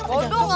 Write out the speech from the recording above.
bodo enggak mau